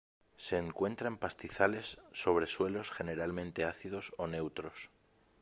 Se encuentra en pastizales sobre suelos generalmente ácidos o neutros.